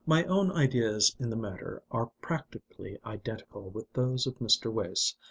My own ideas in the matter are practically identical with those of Mr. Wace.